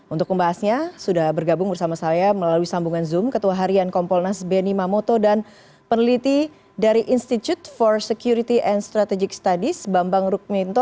untuk membahasnya sudah bergabung bersama saya melalui sambungan zoom ketua harian kompolnas benny mamoto dan peneliti dari institute for security and strategic studies bambang rukminto